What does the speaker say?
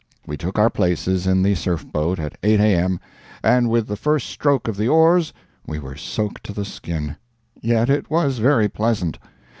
We took our places in the surf boat at 8 A.M. and with the first stroke of the oars we were soaked to the skin. Yet it was very pleasant.